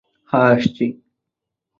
হ্যা, আসছি!